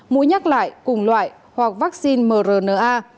mũi nhắc lại cùng loại hoặc vaccine mrna